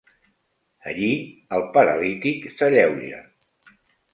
Allí, el paralític s'alleuja.